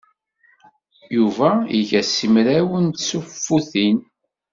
Yuba iga simraw n tsuffutin.